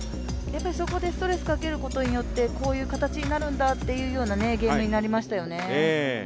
そこでストレスをかけることでこういう形になるんだというゲームになりましたよね。